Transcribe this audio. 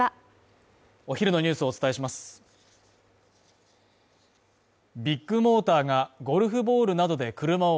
お昼のニュースをお伝えしますビッグモーターがゴルフボールなどで車を